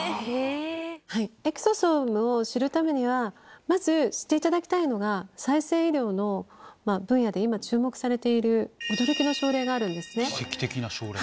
エクソソームを知るためには、まず知っていただきたいのが、再生医療の分野で今、注目されている驚きの症例があるんですね。